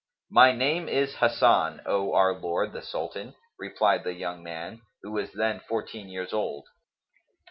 "My name is Hasan, O our lord the Sultan," replied the young man, who was then fourteen years old.